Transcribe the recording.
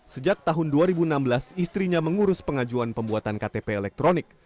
sejak tahun dua ribu enam belas istrinya mengurus pengajuan pembuatan ktp elektronik